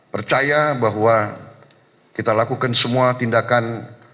percaya bahwa kita lakukan semua tindakan